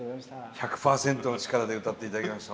１００％の力で歌って頂きました。